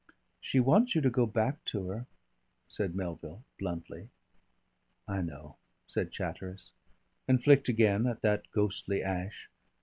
"She wants you to go back to her," said Melville bluntly. "I know," said Chatteris and flicked again at that ghostly ash.